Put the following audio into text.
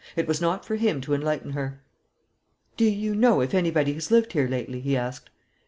It was not for him to enlighten her. "Do you know if anybody has lived here lately?" he asked.